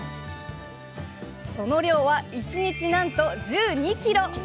その量は１日なんと１２ｋｇ。